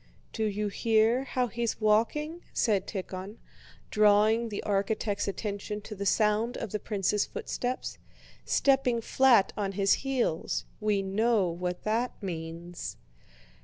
"Do you hear how he's walking?" said Tíkhon, drawing the architect's attention to the sound of the prince's footsteps. "Stepping flat on his heels—we know what that means...."